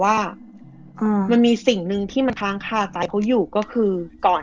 ว่ามันมีสิ่งหนึ่งที่มันค้างคาใจเขาอยู่ก็คือก่อน